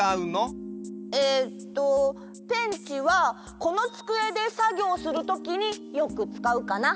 えっとペンチはこのつくえでさぎょうするときによくつかうかな。